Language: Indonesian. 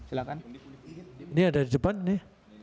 ini ada di depan nih